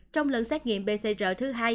trong lần xét nghiệm pcr thứ hai